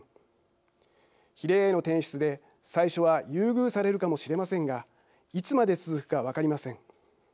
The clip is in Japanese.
比例への転出で最初は優遇されるかもしれませんがいつまで続くか分かりません。